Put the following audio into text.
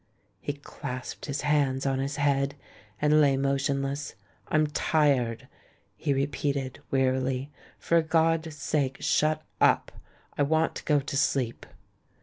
He clasped his hands on his head, and lay mo tionless. "I'm tired," he repeated, wearily. "For God's sake, shut up! I want to go to sleep."